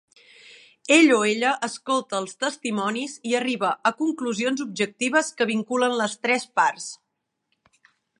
Ell o ella escolta els testimonis i arriba a conclusions objectives que vinculen les tres parts.